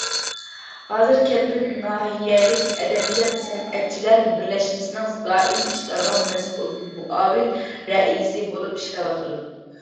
ھازىر كەلپىن ناھىيەلىك ئەدەبىيات- سەنئەتچىلەر بىرلەشمىسىنىڭ دائىمىي ئىشلارغا مەسئۇل مۇئاۋىن رەئىسى بولۇپ ئىشلەۋاتىدۇ.